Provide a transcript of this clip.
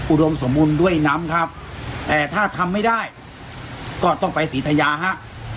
อุดมสมบูรณ์ด้วยน้ำครับแต่ถ้าทำไม่ได้ก็ต้องไปศรีธยาฮะ